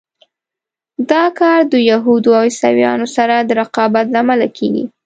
دا کار د یهودو او عیسویانو سره د رقابت له امله کېږي.